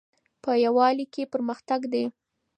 په یووالي کې پرمختګ ده